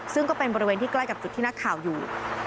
ซึ่งก็เป็นบริเวณที่ใกล้กับจุดที่นักข่าวอยู่